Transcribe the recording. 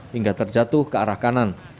hingga terjatuh ke arah kanan